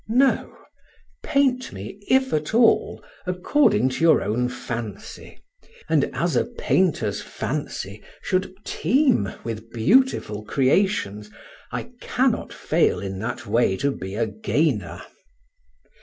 No; paint me, if at all, according to your own fancy, and as a painter's fancy should teem with beautiful creations, I cannot fail in that way to be a gainer.